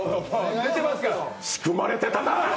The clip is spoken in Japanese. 仕組まれてたか！